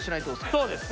そうです。